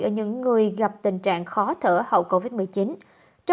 những người gặp tình trạng khó thở hậu covid một mươi chín